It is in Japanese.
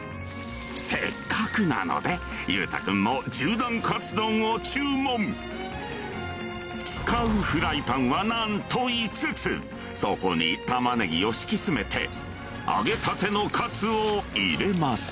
せっかくなので裕太君も１０段かつ丼を注文使うフライパンはなんと５つそこに玉ねぎを敷き詰めて揚げたてのカツを入れます